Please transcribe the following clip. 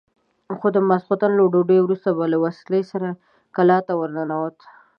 خو د ماخستن له ډوډۍ وروسته به له وسلې سره کلا ته ورننوت.